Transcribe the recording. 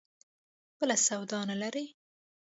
بله سودا نه لري.